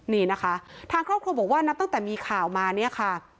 นี่นะคะทางครอบครัวบอกว่านับตั้งแต่มีข่าวมาเนี่ยค่ะ